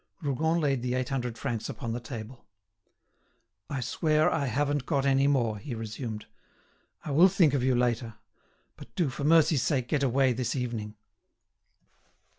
Rougon laid the eight hundred francs upon the table. "I swear I haven't got any more," he resumed. "I will think of you later. But do, for mercy's sake, get away this evening."